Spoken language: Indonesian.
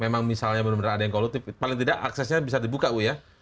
memang misalnya benar benar ada yang kolutif paling tidak aksesnya bisa dibuka bu ya